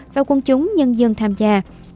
và quân chúng nhân dân tham gia